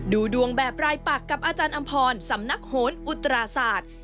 ดูดวงแบบรายปักกับอาจารย์อำพรสำนักโหนอุตราศาสตร์